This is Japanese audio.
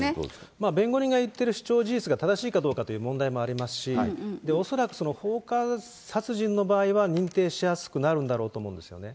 弁護人が言ってる主張事実が正しいかどうかという問題もありますし、恐らく放火殺人の場合は、認定しやすくなるんだろうと思うんですよね。